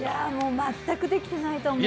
全くできてないと思う。